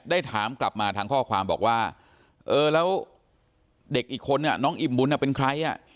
ถามกลับมาทางข้อความบอกว่าเออแล้วเด็กอีกคนน้องอิ่มบุญเป็นใครอ่ะ